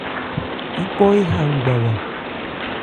Yípɔ éha ngbawa.